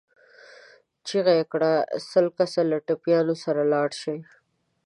چيغه يې کړه! سل کسه له ټپيانو سره لاړ شئ.